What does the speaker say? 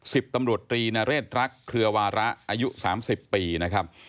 สิปตำรวจตรีนเรชลักษมณ์เครือวาระอายุ๓๐ปีนะครับ